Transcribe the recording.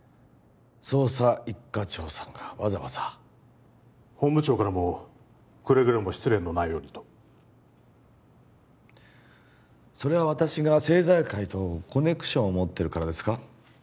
捜査一課長さんがわざわざ本部長からもくれぐれも失礼のないようにとそれは私が政財界とコネクションを持ってるからですか？